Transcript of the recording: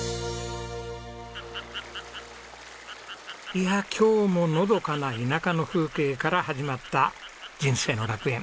いや今日ものどかな田舎の風景から始まった『人生の楽園』。